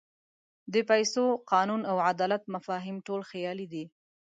د پیسو، قانون او عدالت مفاهیم ټول خیالي دي.